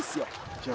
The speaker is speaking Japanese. じゃあ。